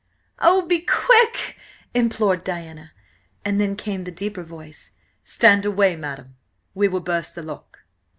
"Oh, be quick!" implored poor Diana. And then came the deeper voice: "Stand away, madam, we will burst the lock."